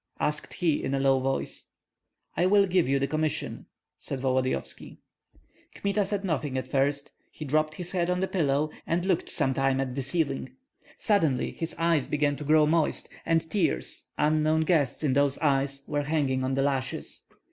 asked he, in a low voice. "I will give the commission," said Volodyovski. Kmita said nothing at first; he dropped his head on the pillow, and looked some time at the ceiling. Suddenly his eyes began to grow moist; and tears, unknown guests in those eyes, were hanging on the lashes.